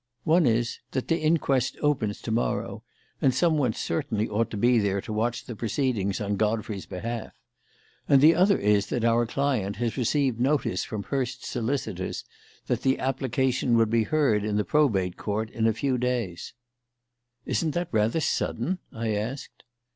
One is that the inquest opens to morrow, and someone certainly ought to be there to watch the proceedings on Godfrey's behalf; and the other is that our client has received notice from Hurst's solicitors that the application would be heard in the Probate Court in a few days." "Isn't that rather sudden?" I asked.